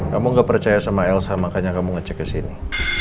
kamu gak percaya sama elsa makanya kamu ngecek kesini